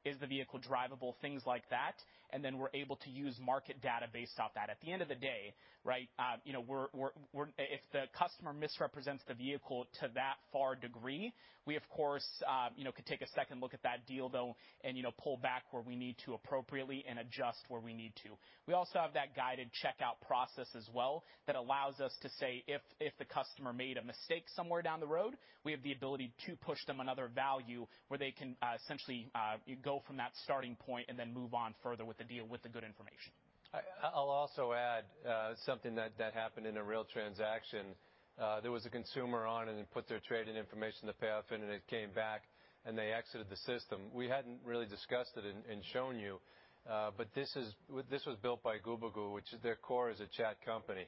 maintenance costs, if the vehicle is drivable, things like that. We are able to use market data based off that. At the end of the day, if the customer misrepresents the vehicle to that far degree, we, of course, could take a second look at that deal, though, and pull back where we need to appropriately and adjust where we need to. We also have that guided checkout process as well that allows us to say if the customer made a mistake somewhere down the road, we have the ability to push them another value where they can essentially go from that starting point and then move on further with the deal with the good information. I'll also add something that happened in a real transaction. There was a consumer on and put their trade-in information to Payoff, and it came back, and they exited the system. We hadn't really discussed it and shown you but this was built by Gubagoo, which their core is a chat company.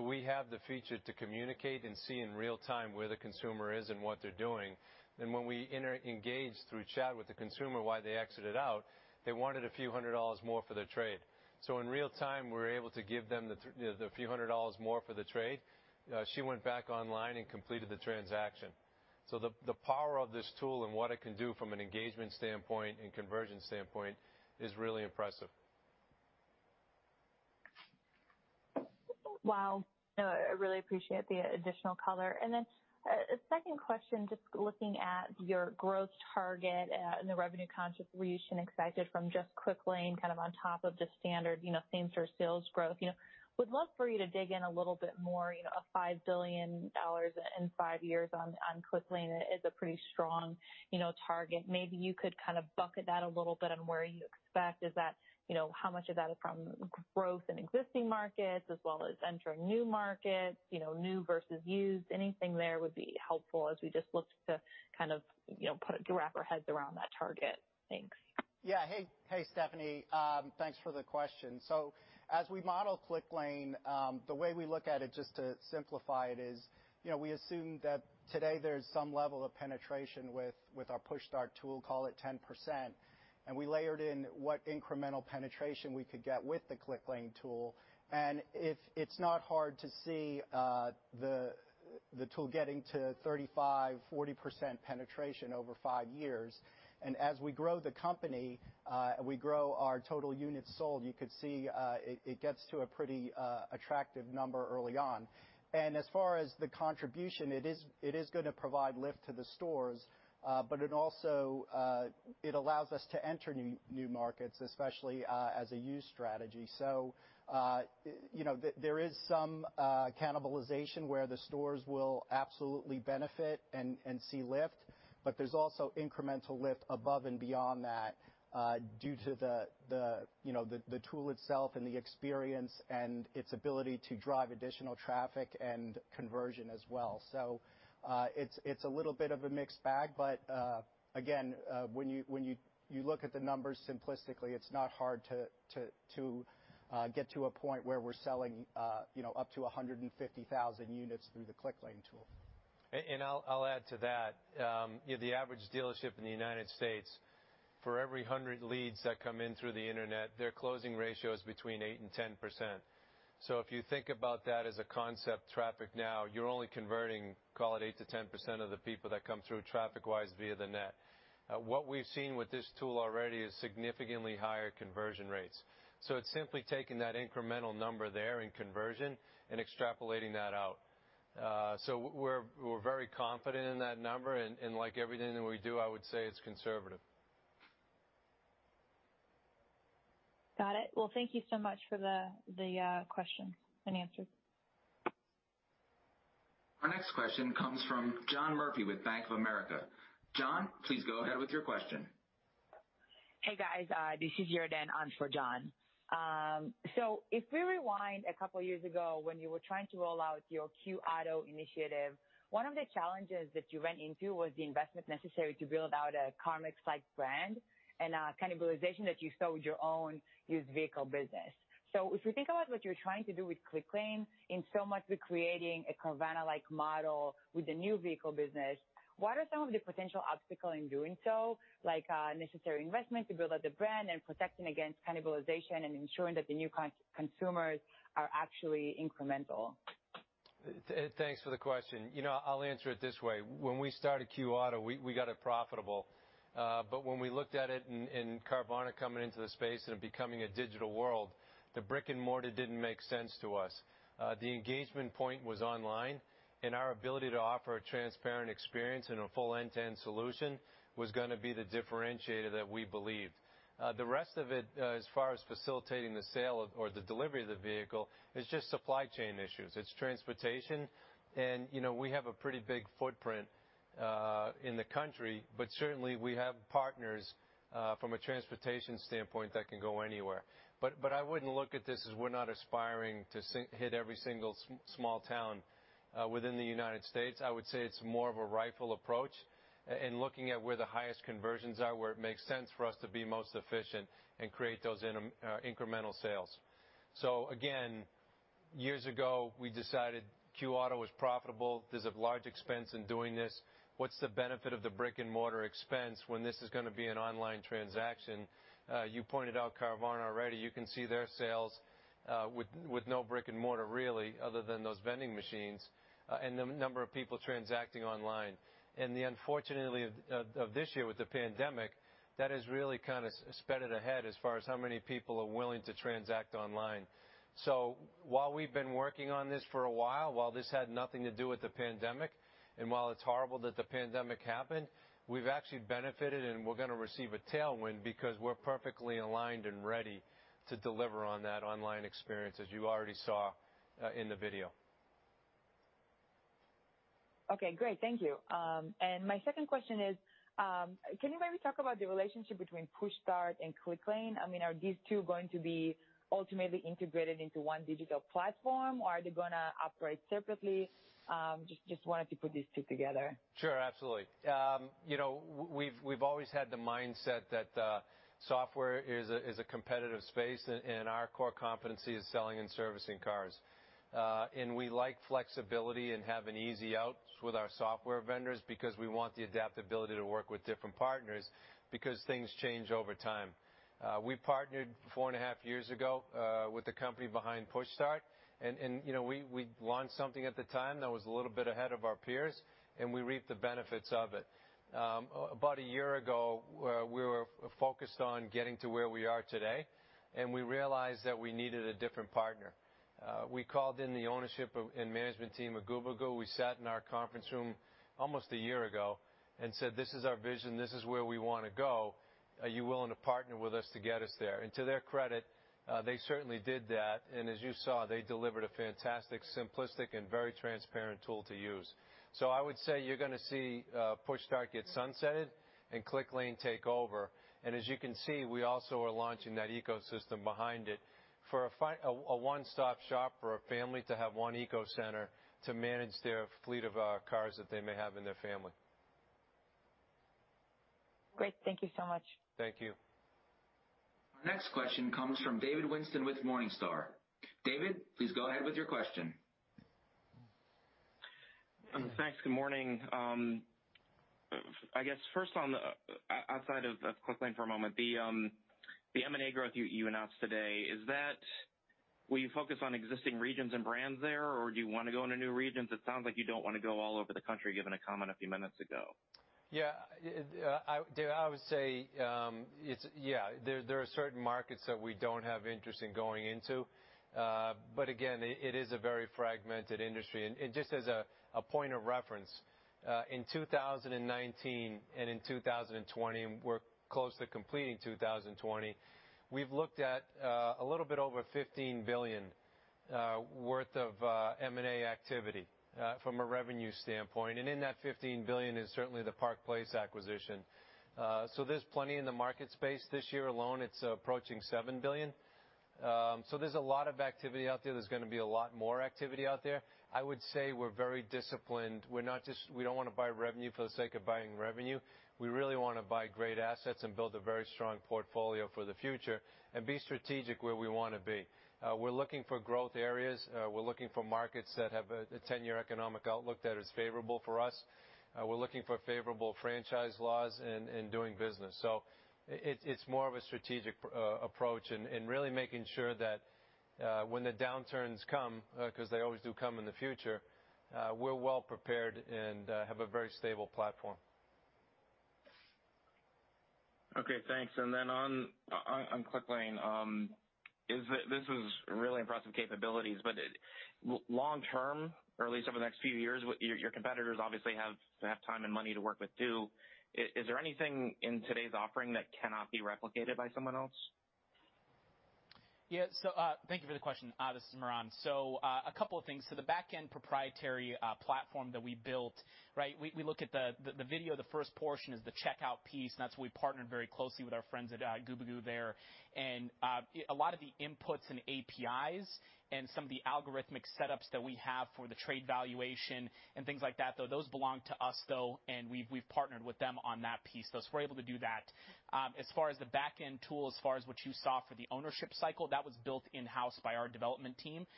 We have the feature to communicate and see in real time where the consumer is and what they're doing. When we engage through chat with the consumer, why they exited out, they wanted a few hundred dollars more for their trade. In real time, we were able to give them the few hundred dollars more for the trade. She went back online and completed the transaction. The power of this tool and what it can do from an engagement standpoint and conversion standpoint is really impressive. Wow. No, I really appreciate the additional color. Then a second question, just looking at your growth target and the revenue contribution expected from just Clicklane kind of on top of just standard same store sales growth. Would love for you to dig in a little bit more, a $5 billion in five years on Clicklane is a pretty strong target. Maybe you could kind of bucket that a little bit on where you expect is that how much of that is from growth in existing markets as well as entering new markets, new versus used. Anything there would be helpful as we just look to kind of wrap our heads around that target. Thanks. Hey, Stephanie. Thanks for the question. As we model Clicklane, the way we look at it, just to simplify it, is we assume that today there's some level of penetration with our PushStart tool, call it 10%, and we layered in what incremental penetration we could get with the Clicklane tool. It's not hard to see the tool getting to 35%, 40% penetration over five years. As we grow the company, we grow our total units sold. You could see it gets to a pretty attractive number early on. As far as the contribution, it is going to provide lift to the stores. It also allows us to enter new markets, especially as a used strategy. There is some cannibalization where the stores will absolutely benefit and see lift, but there's also incremental lift above and beyond that due to the tool itself and the experience and its ability to drive additional traffic and conversion as well. It's a little bit of a mixed bag, but again when you look at the numbers simplistically, it's not hard to get to a point where we're selling up to 150,000 units through the Clicklane tool. I'll add to that. The average dealership in the U.S., for every 100 leads that come in through the internet, their closing ratio is between 8% and 10%. If you think about that as a concept traffic now, you're only converting, call it 8%-10% of the people that come through traffic wise via the net. What we've seen with this tool already is significantly higher conversion rates. It's simply taking that incremental number there in conversion and extrapolating that out. We're very confident in that number, and like everything that we do, I would say it's conservative. Got it. Well, thank you so much for the questions and answers. Our next question comes from John Murphy with Bank of America. John, please go ahead with your question. Hey, guys. This is Yerdan on for John. If we rewind a couple of years ago when you were trying to roll out your Q auto initiative, one of the challenges that you ran into was the investment necessary to build out a CarMax-like brand and cannibalization that you sold your own used vehicle business. If we think about what you're trying to do with Clicklane in so much recreating a Carvana-like model with the new vehicle business, what are some of the potential obstacle in doing so, like necessary investment to build out the brand and protecting against cannibalization and ensuring that the new consumers are actually incremental? Thanks for the question. I'll answer it this way. When we started Q auto, we got it profitable. When we looked at it and Carvana coming into the space and it becoming a digital world, the brick-and-mortar didn't make sense to us. The engagement point was online, our ability to offer a transparent experience and a full end-to-end solution was going to be the differentiator that we believed. The rest of it, as far as facilitating the sale or the delivery of the vehicle, is just supply chain issues. It's transportation, we have a pretty big footprint in the country, but certainly we have partners from a transportation standpoint that can go anywhere. I wouldn't look at this as we're not aspiring to hit every single small town within the U.S. I would say it's more of a rifle approach and looking at where the highest conversions are, where it makes sense for us to be most efficient and create those incremental sales. Years ago, we decided Q auto was profitable. There's a large expense in doing this. What's the benefit of the brick-and-mortar expense when this is going to be an online transaction? You pointed out Carvana already. You can see their sales with no brick-and-mortar really, other than those vending machines, and the number of people transacting online. Unfortunately, of this year with the pandemic, that has really kind of sped it ahead as far as how many people are willing to transact online. While we've been working on this for a while this had nothing to do with the pandemic, and while it's horrible that the pandemic happened, we've actually benefited, and we're going to receive a tailwind because we're perfectly aligned and ready to deliver on that online experience, as you already saw in the video. Okay, great. Thank you. My second question is, can you maybe talk about the relationship between PushStart and Clicklane? Are these two going to be ultimately integrated into one digital platform, or are they going to operate separately? Just wanted to put these two together. Sure, absolutely. We've always had the mindset that software is a competitive space, and our core competency is selling and servicing cars. We like flexibility and have an easy out with our software vendors because we want the adaptability to work with different partners because things change over time. We partnered 4.5 Years ago with the company behind PushStart, and we launched something at the time that was a little bit ahead of our peers, and we reaped the benefits of it. About a year ago, we were focused on getting to where we are today, and we realized that we needed a different partner. We called in the ownership and management team of Gubagoo. We sat in our conference room almost a year ago and said, "This is our vision. This is where we want to go. Are you willing to partner with us to get us there?" To their credit, they certainly did that. As you saw, they delivered a fantastic, simplistic, and very transparent tool to use. I would say you're going to see PushStart get sunsetted and Clicklane take over. As you can see, we also are launching that ecosystem behind it for a one-stop shop for a family to have one eco center to manage their fleet of cars that they may have in their family. Great. Thank you so much. Thank you. Our next question comes from David Whiston with Morningstar. David, please go ahead with your question. Thanks. Good morning. I guess first on the outside of Clicklane for a moment, the M&A growth you announced today, will you focus on existing regions and brands there? Do you want to go into new regions? It sounds like you don't want to go all over the country, given a comment a few minutes ago. Yeah. I would say, there are certain markets that we don't have interest in going into. Again, it is a very fragmented industry. Just as a point of reference, in 2019 and in 2020, and we're close to completing 2020, we've looked at a little bit over $15 billion worth of M&A activity from a revenue standpoint. In that $15 billion is certainly the Park Place acquisition. There's plenty in the market space. This year alone, it's approaching $7 billion. There's a lot of activity out there. There's going to be a lot more activity out there. I would say we're very disciplined. We don't want to buy revenue for the sake of buying revenue. We really want to buy great assets and build a very strong portfolio for the future and be strategic where we want to be. We're looking for growth areas. We're looking for markets that have a 10-year economic outlook that is favorable for us. We're looking for favorable franchise laws in doing business. It's more of a strategic approach and really making sure that when the downturns come, because they always do come in the future, we're well prepared and have a very stable platform. Okay, thanks. On Clicklane, this is really impressive capabilities, but long term, or at least over the next few years, your competitors obviously have time and money to work with too. Is there anything in today's offering that cannot be replicated by someone else? Yeah. Thank you for the question. This is Miran. A couple of things. The back-end proprietary platform that we built, we look at the video, the first portion is the checkout piece, and that's what we partnered very closely with our friends at Gubagoo there. A lot of the inputs and APIs and some of the algorithmic setups that we have for the trade valuation and things like that, though, those belong to us though, and we've partnered with them on that piece. We're able to do that. As far as the back-end tool, as far as what you saw for the ownership cycle, that was built in-house by our development team.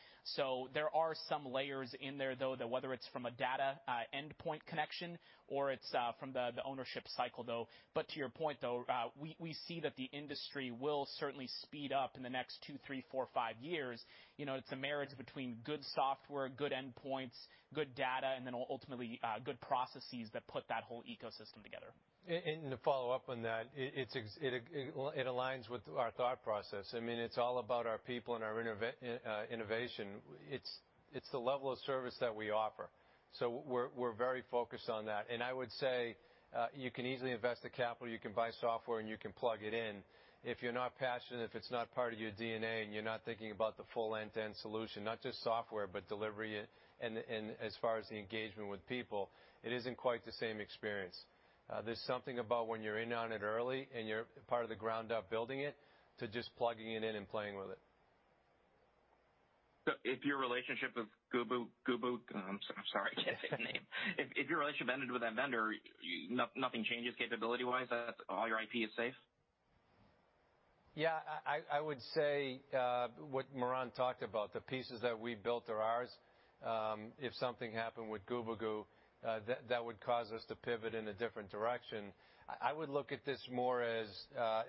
There are some layers in there, though, that whether it's from a data endpoint connection or it's from the ownership cycle, though. To your point, though, we see that the industry will certainly speed up in the next two, three, four, five years. It's a marriage between good software, good endpoints, good data, and then ultimately good processes that put that whole ecosystem together. To follow-up on that, it aligns with our thought process. It's all about our people and our innovation. It's the level of service that we offer. We're very focused on that. I would say you can easily invest the capital, you can buy software, and you can plug it in. If you're not passionate, if it's not part of your DNA, and you're not thinking about the full end-to-end solution, not just software, but delivery and as far as the engagement with people, it isn't quite the same experience. There's something about when you're in on it early and you're part of the ground up building it to just plugging it in and playing with it. If your relationship with Gubagoo, I'm sorry, I can't say the name. If your relationship ended with that vendor, nothing changes capability-wise? All your IP is safe? Yeah. I would say what Miran talked about, the pieces that we built are ours. If something happened with Gubagoo, that would cause us to pivot in a different direction. I would look at this more as,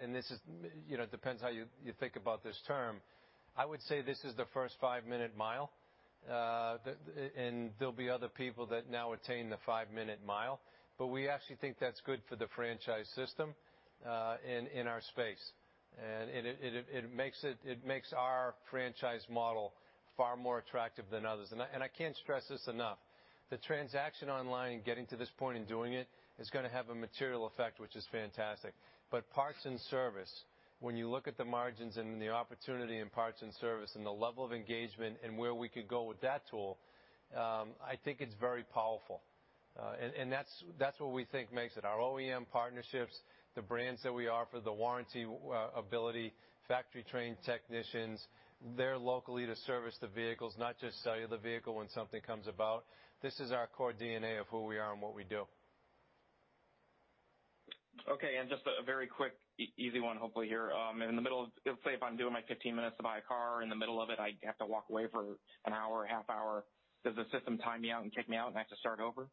and it depends how you think about this term. I would say this is the first five-minute mile, and there'll be other people that now attain the five-minute mile. We actually think that's good for the franchise system in our space. It makes our franchise model far more attractive than others. I can't stress this enough. The transaction online and getting to this point in doing it is going to have a material effect, which is fantastic. Parts and service, when you look at the margins and the opportunity in parts and service and the level of engagement and where we could go with that tool, I think it's very powerful. That's what we think makes it our OEM partnerships, the brands that we offer, the warranty ability, factory-trained technicians. They're locally to service the vehicles, not just sell you the vehicle when something comes about. This is our core DNA of who we are and what we do. Okay, just a very quick, easy one, hopefully here. Let's say if I'm doing my 15 minutes to buy a car, in the middle of it, I have to walk away for an hour, half hour. Does the system time me out and kick me out and I have to start over?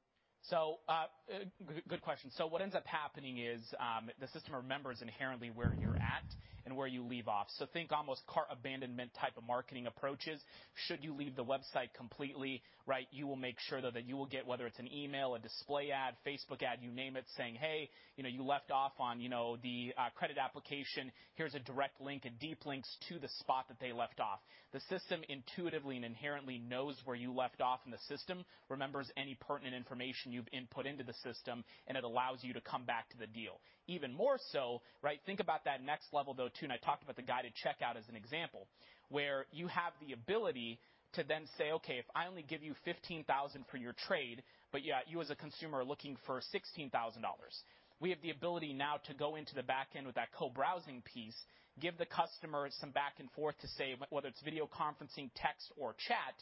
Good question. What ends up happening is the system remembers inherently where you're at and where you leave off. Think almost cart abandonment type of marketing approaches should you leave the website completely. You will make sure though that you will get whether it's an email, a display ad, Facebook ad, you name it, saying, "Hey, you left off on the credit application. Here's a direct link," and deep links to the spot that they left off. The system intuitively and inherently knows where you left off, and the system remembers any pertinent information you've input into the system, and it allows you to come back to the deal. Even more so, think about that next level though, too. I talked about the guided checkout as an example, where you have the ability to then say, okay, if I only give you $15,000 for your trade, but yet you as a U.S. consumer are looking for $16,000. We have the ability now to go into the back end with that co-browsing piece, give the customer some back and forth to say, whether it's video conferencing, text, or chat.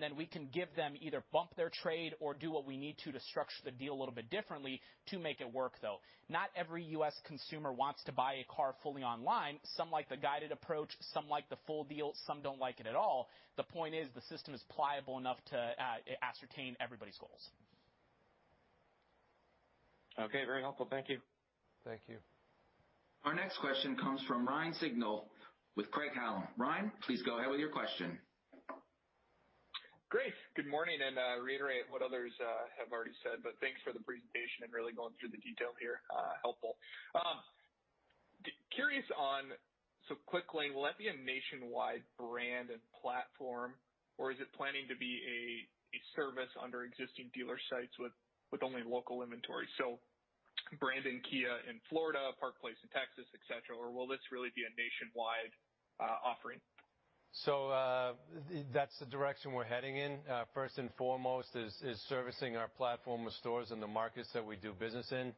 Then we can give them either bump their trade or do what we need to structure the deal a little bit differently to make it work though. Not every U.S. consumer wants to buy a car fully online. Some like the guided approach, some like the full deal, some don't like it at all. The point is the system is pliable enough to ascertain everybody's goals. Okay. Very helpful. Thank you. Thank you. Our next question comes from Ryan Sigdahl with Craig-Hallum. Ryan, please go ahead with your question. Great. Good morning. Reiterate what others have already said, but thanks for the presentation and really going through the detail here. Helpful. Curious on, Clicklane, will that be a nationwide brand and platform, or is it planning to be a service under existing dealer sites with only local inventory? Brandon Kia in Florida, Park Place in Texas, et cetera, or will this really be a nationwide offering? That's the direction we're heading in. First and foremost is servicing our platform of stores in the markets that we do business in.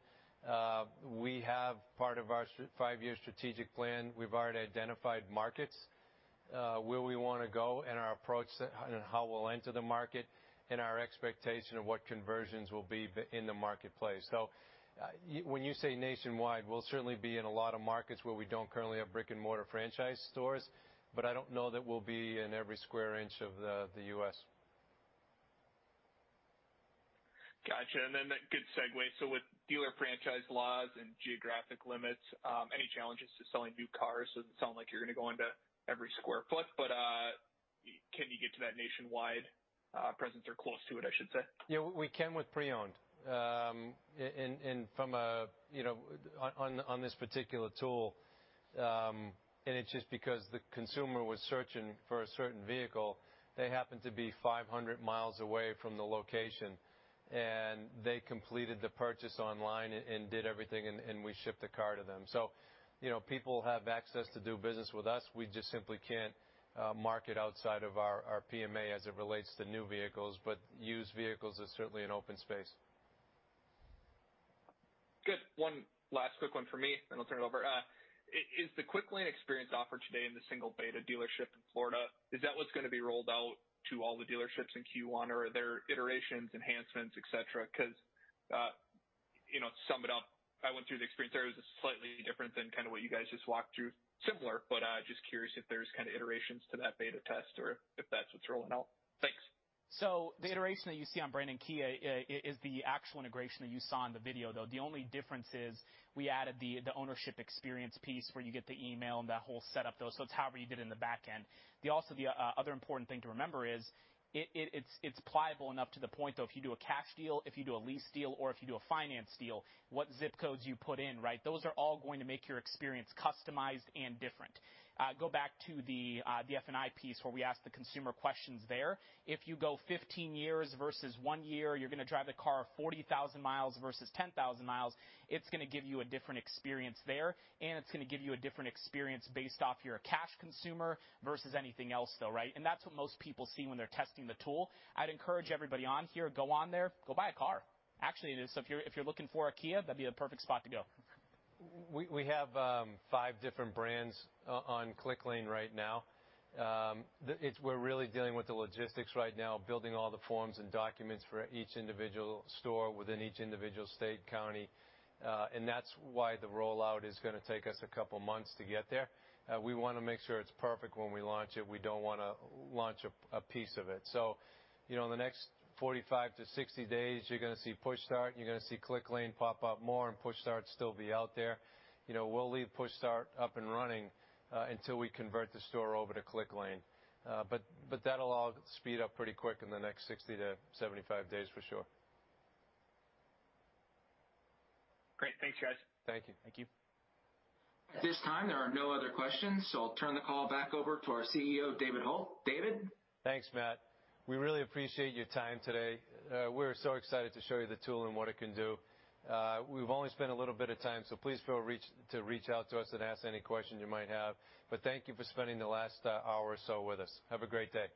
We have part of our five-year strategic plan. We've already identified markets where we want to go and our approach and how we'll enter the market and our expectation of what conversions will be in the marketplace. When you say nationwide, we'll certainly be in a lot of markets where we don't currently have brick-and-mortar franchise stores, but I don't know that we'll be in every square inch of the U.S. Got you. A good segue. With dealer franchise laws and geographic limits, any challenges to selling new cars? Doesn't sound like you're going to go into every square foot, but can you get to that nationwide presence or close to it, I should say? Yeah, we can with pre-owned. On this particular tool, and it's just because the consumer was searching for a certain vehicle. They happened to be 500 mi away from the location, and they completed the purchase online and did everything, and we shipped the car to them. People have access to do business with us. We just simply can't market outside of our PMA as it relates to new vehicles. Used vehicles is certainly an open space. Good. One last quick one from me, then I'll turn it over. Is the Clicklane experience offered today in the single beta dealership in Florida, is that what's going to be rolled out to all the dealerships in Q1, or are there iterations, enhancements, et cetera? To sum it up, I went through the experience there. It was slightly different than kind of what you guys just walked through. Similar, but just curious if there's kind of iterations to that beta test or if that's what's rolling out. Thanks. The iteration that you see on Brandon Kia is the actual integration that you saw in the video, though. The only difference is we added the ownership experience piece where you get the email and that whole setup, though. It's however you did in the back end. The other important thing to remember is it's pliable enough to the point, though, if you do a cash deal, if you do a lease deal, or if you do a finance deal, what ZIP codes you put in. Those are all going to make your experience customized and different. Go back to the F&I piece where we ask the consumer questions there. If you go 15 years versus one year, you're going to drive the car 40,000 mi versus 10,000 mi, it's going to give you a different experience there, and it's going to give you a different experience based off you're a cash consumer versus anything else, though. That's what most people see when they're testing the tool. I'd encourage everybody on here, go on there, go buy a car. Actually, if you're looking for a Kia, that'd be the perfect spot to go. We have five different brands on Clicklane right now. We're really dealing with the logistics right now, building all the forms and documents for each individual store within each individual state, county. That's why the rollout is going to take us a couple of months to get there. We want to make sure it's perfect when we launch it. We don't want to launch a piece of it. In the next 45-60 days, you're going to see PushStart, you're going to see Clicklane pop up more, and PushStart still be out there. We'll leave PushStart up and running until we convert the store over to Clicklane. That'll all speed up pretty quick in the next 60-75 days for sure. Great. Thanks, guys. Thank you. Thank you. At this time, there are no other questions, so I'll turn the call back over to our CEO, David Hult. David? Thanks, Matt. We really appreciate your time today. We're so excited to show you the tool and what it can do. We've only spent a little bit of time, please feel to reach out to us and ask any questions you might have. Thank you for spending the last hour or so with us. Have a great day.